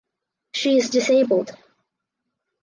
She is disabled.